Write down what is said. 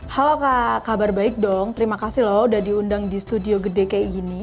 halo kak kabar baik dong terima kasih loh udah diundang di studio gede kayak gini